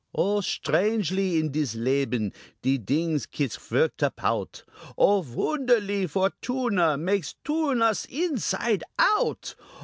Oh shtrangely in dis leben De dings kits vorked apout! Oh voonderly Fortuna Makes toorn us insite out!